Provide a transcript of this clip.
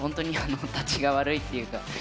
たちが悪いっていうかえ！